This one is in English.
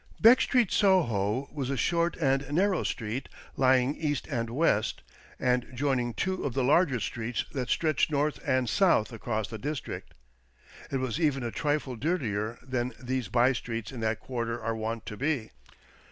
Beck Street, Soho, was a short and narrow street lying east and west, and joining two of the larger streets that stretch north and south across the district. It was even a trifle dirtier than these by streets in that quarter are wont to be.